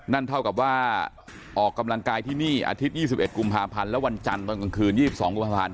นั่นเท่ากับว่าออกกำลังกายที่นี่อาทิตย์๒๑กุมภาพันธ์และวันจันทร์ตอนกลางคืน๒๒กุมภาพันธ์